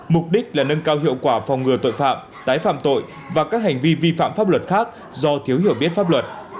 mục đích là nâng cao hiệu quả phòng ngừa tội phạm tái phạm tội và các hành vi vi phạm pháp luật khác do thiếu hiểu biết pháp luật